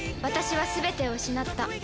私は全てを失った。